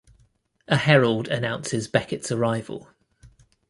A herald announces Becket's arrival.